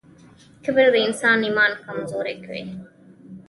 کبر د انسان ایمان کمزوری کوي.